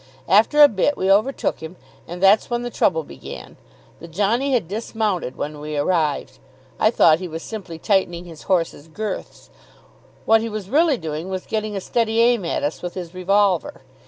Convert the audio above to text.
After a bit we overtook him, and that's when the trouble began. The johnny had dismounted when we arrived. I thought he was simply tightening his horse's girths. What he was really doing was getting a steady aim at us with his revolver.